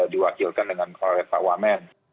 diwakilkan dengan koreta wamen